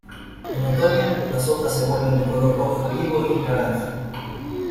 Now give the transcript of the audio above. En otoño las hojas se vuelven de color rojo vivo y naranja.